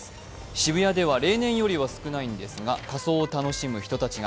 渋谷では例年より少ないんですが、仮装を楽しむ人たちが。